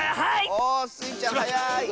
おスイちゃんはやい！